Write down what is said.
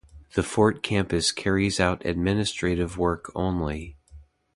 The Fort campus carries out administrative work only.